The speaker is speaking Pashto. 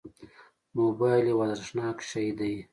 موبایل یو ارزښتناک شی دی.